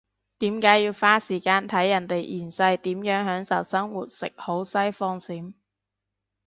點解要花時間睇人哋現世點樣享受生活食好西放閃？